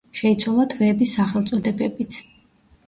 შეიცვალა თვეების სახელწოდებებიც.